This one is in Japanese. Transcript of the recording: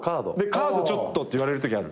「カードちょっと」って言われるときある？